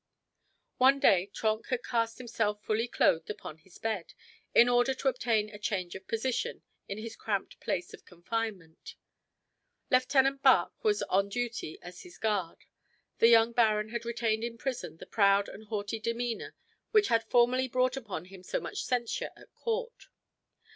One day Trenck had cast himself fully clothed upon his bed, in order to obtain a change of position in his cramped place of confinement. Lieutenant Bach was on duty as his guard. The young baron had retained in prison the proud and haughty demeanor which had formerly brought upon him so much censure at court.